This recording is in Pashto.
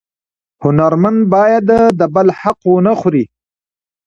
هنرمن باید د بل حق ونه خوري